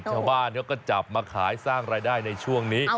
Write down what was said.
ชาวบ้านเขาก็จับมาขายสร้างรายได้ในช่วงนี้